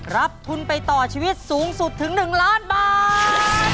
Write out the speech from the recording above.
รับทุนไปต่อชีวิตสูงสุดถึง๑ล้านบาท